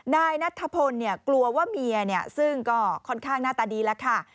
นายนัทธพลกลัวว่าเมียซึ่งก็ค่อนข้างหน้าตาดีแล้วค่ะ